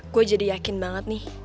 gue jadi yakin banget nih